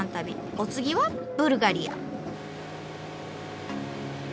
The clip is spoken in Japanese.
お次はブルガリア。